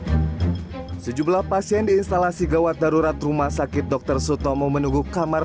hai sejumlah pasien di instalasi gawat darurat rumah sakit dokter sutomo menunggu kamar